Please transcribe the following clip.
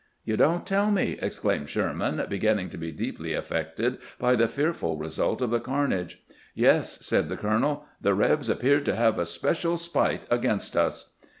' You don't tell me !' exclaimed Sherman, beginning to be deeply affected by the fearful result of the carnage. 'Yes,' said the colonel; 'the rebs appeared to have a special spite against us.'